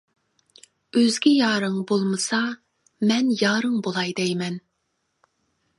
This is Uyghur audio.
ئۆزگە يارىڭ بولمىسا، مەن يارىڭ بولاي دەيمەن.